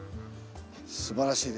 すばらしいです。